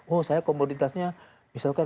oh saya komoditasnya misalkan